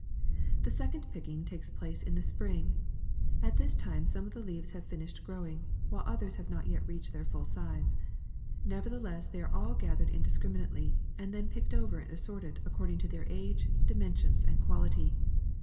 The second picking takes place in the spring. At this time some of the leaves have finished growing, while others have not yet reached their full size; nevertheless they are all gathered indiscriminately and then picked over and assorted according to their age, dimensions, and quality.